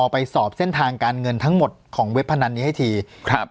ไปสอบเส้นทางการเงินทั้งหมดของเว็บพนันนี้ให้ทีครับ